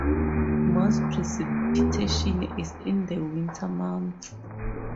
Most precipitation is in the winter months.